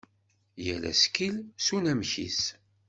Yal asekkil s unamek-is.